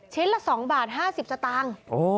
ชิ้นละ๒บาท๕๐สตางค์